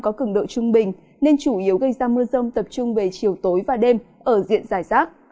có cứng độ trung bình nên chủ yếu gây ra mưa rông tập trung về chiều tối và đêm ở diện giải rác